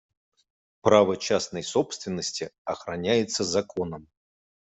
Право частной собственности охраняется законом.